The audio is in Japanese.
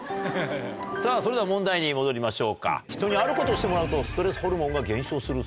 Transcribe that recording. さぁそれでは問題に戻りましょうか。